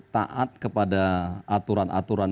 taat kepada aturan aturan